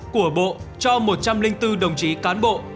của bộ cho một trăm linh bốn đồng chí cán bộ